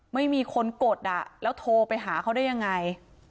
ไม่มีคนกดแล้วโทรไปหาเขาได้ยังไง